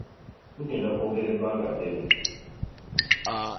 Tugenda kwogerera ebbanga ddene.